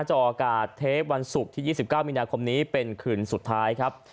ออกอากาศเทปวันศุกร์ที่๒๙มีนาคมนี้เป็นคืนสุดท้ายครับ